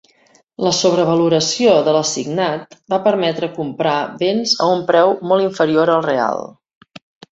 La sobrevaloració de l'assignat va permetre comprar béns a un preu molt inferior al real.